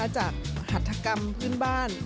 จากหัตถกรรมพื้นบ้าน